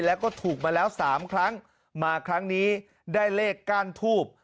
แล้วก็ถูกมาแล้วสามครั้งมาครั้งนี้ได้เลขก้านทูบ